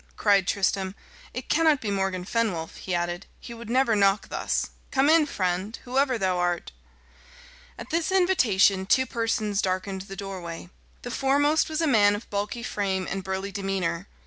cried Tristram. "It cannot be Morgan Fenwolf," he added. "He would never knock thus. Come in, friend, whoever thou art." At this invitation two persons darkened the doorway. The foremost was a man of bulky frame and burly demeanour.